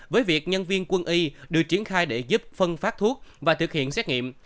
với việc nhân viên quân y được triển khai để giúp phân phát thuốc và thực hiện xét nghiệm